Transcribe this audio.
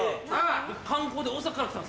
観光で大阪から来たんですよ。